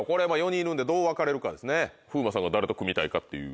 風磨さんが誰と組みたいかっていう。